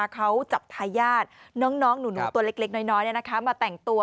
เขาจับทายาทน้องหนูตัวเล็กน้อยมาแต่งตัว